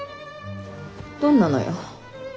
どんなのよ？